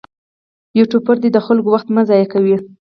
یوټوبر دې د خلکو وخت مه ضایع کوي.